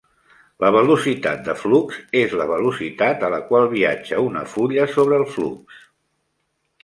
La velocitat de flux és la velocitat a la qual viatja una fulla sobre el flux.